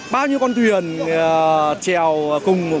bao nhiêu con thuyền trèo cùng